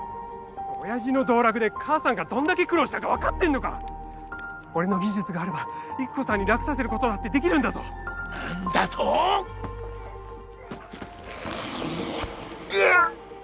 親父の道楽で母さんがどんだけ苦労し俺の技術があれば郁子さんに楽させることだってできるんだぞ何だと⁉ぐわっ！